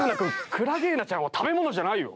クラゲーナちゃんは食べ物じゃないよ。